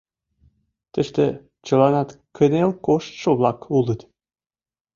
Тыште чыланат кынел коштшо-влак улыт.